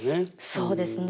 そうですね。